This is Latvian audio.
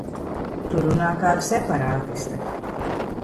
Tu runā kā separātiste.